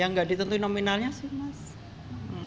yang gak ditentui nominalnya sih mas